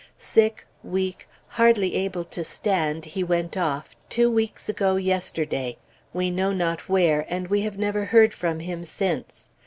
Sick, weak, hardly able to stand, he went off, two weeks ago yesterday. We know not where, and we have never heard from him since.